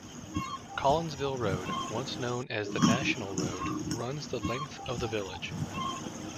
Collinsville Road, once known as the National Road, runs the length of the village.